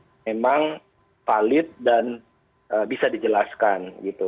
pertanyaan itu memang valid dan bisa dijelaskan